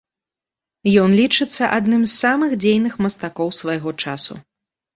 Ён лічыцца адным з самых дзейных мастакоў свайго часу.